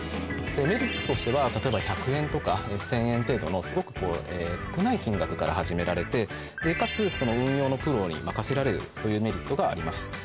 メリットとしては例えば１００円とか１０００円程度のすごく少ない金額から始められてかつ運用のプロに任せられるというメリットがあります。